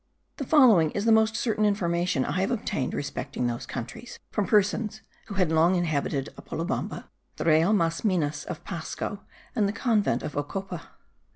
The following is the most certain information I have obtained respecting those countries, from persons who had long inhabited Apolobamba, the Real das Minas of Pasco, and the convent of Ocopa.